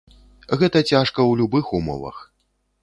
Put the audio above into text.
Гэта цяжка ў любых умовах.